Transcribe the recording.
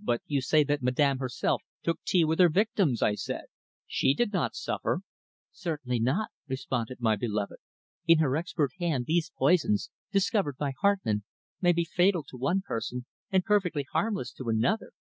"But you say that Madame herself took tea with her victims?" I said. "She did not suffer." "Certainly not," responded my beloved. "In her expert hand these poisons, discovered by Hartmann, may be fatal to one person and perfectly harmless to another.